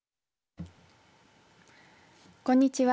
こんにちは。